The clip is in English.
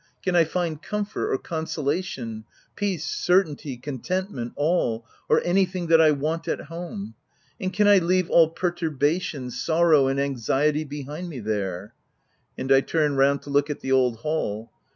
Can I find comfort or consolation — peace, certainty, contentment, all — or anything that I want at home ? and can I leave all perturbation, sorrow and anxiety be hind me there?" And I turned round to look at the old Hall.